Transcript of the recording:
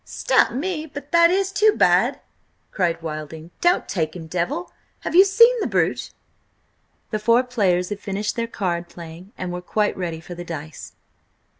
"Stap me, but that is too bad!" cried Wilding. "Don't take him, Devil! Have you seen the brute?" The four players had finished their card playing and were quite ready for the dice.